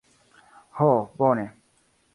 Ho bone...